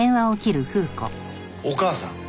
お母さん？